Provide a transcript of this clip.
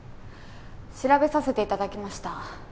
調べさせていただきました。